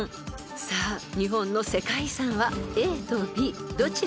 ［さあ日本の世界遺産はＡとＢどちらでしょう？］